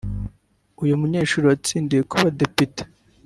uyu munyesshuli watsindiye kuba depite